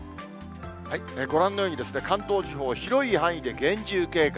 ご覧のように、関東地方、広い範囲で厳重警戒。